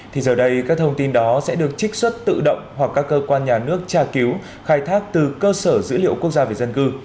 thì giờ đây các thông tin đó sẽ được trích xuất tự động hoặc các cơ quan nhà nước tra cứu khai thác từ cơ sở dữ liệu quốc gia về dân cư